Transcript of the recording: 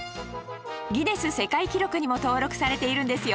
ギネス世界記録にも登録されているんですよ